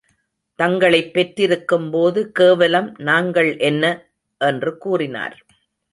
தங்களைப் பெற்றிருக்கும் போது கேவலம் நாங்கள் என்ன? என்று கூறினார்.